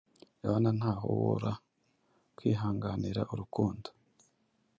Yohana ntahobora kwihanganira urukundo